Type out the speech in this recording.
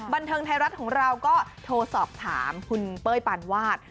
บันเทิงไทยรัฐของเราก็โทรสอบถามคุณเป้ยปานวาด